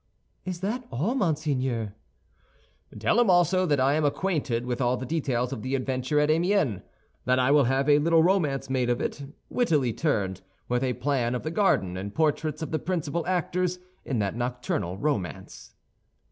"Is that all, monseigneur?" "Tell him also that I am acquainted with all the details of the adventure at Amiens; that I will have a little romance made of it, wittily turned, with a plan of the garden and portraits of the principal actors in that nocturnal romance."